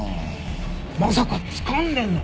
まさかつかんでんの？